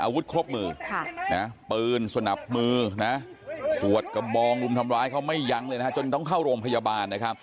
อาวุธครบมือปืนสนับมือหัวตกระบองฮุมทำร้ายเขาไม่ยั้งเลยจนเข้าโรงพยาบาล